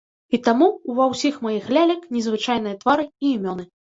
І таму ўва ўсіх маіх лялек незвычайныя твары і імёны.